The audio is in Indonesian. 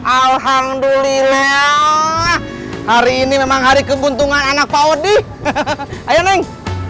alhamdulillah hari ini memang hari keuntungan anak pak odi ayo neng